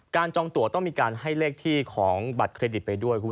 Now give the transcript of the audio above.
จองตัวต้องมีการให้เลขที่ของบัตรเครดิตไปด้วย